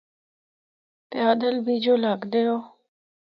پیدل بھی جُل ہکدے او۔